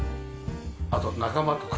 あとは仲間とか。